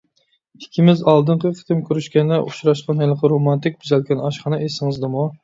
ئىككىمىز ئالدىنقى قېتىم كۆرۈشكەندە ئۇچراشقان ھېلىقى رومانتىك بېزەلگەن ئاشخانا ئېسىڭىزدىمۇ؟